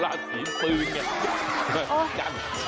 ราศีปืน